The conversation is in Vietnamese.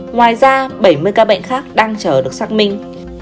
ngoài ra bảy mươi ca bệnh khác đang chờ được xác minh